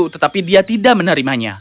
tetapi dia tidak menerimanya